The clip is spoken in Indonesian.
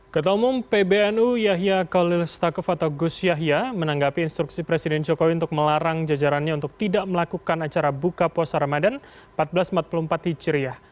ketumum pbnu yahya khaulil stakuf atau gus yahya menanggapi instruksi presiden jokowi untuk melarang jajarannya untuk tidak melakukan acara buka puasa ramadan empat belas empat puluh empat hijriyah